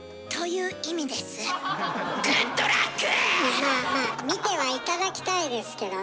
まあまあ見ては頂きたいですけどね。